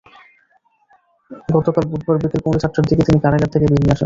গতকাল বুধবার বিকেল পৌনে চারটার দিকে তিনি কারাগার থেকে বেরিয়ে আসেন।